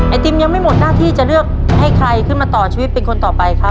ติมยังไม่หมดหน้าที่จะเลือกให้ใครขึ้นมาต่อชีวิตเป็นคนต่อไปครับ